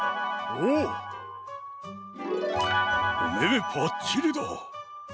おめめぱっちりだ！